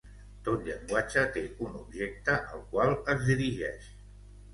Tot llenguatge té un objecte al qual es dirigeix.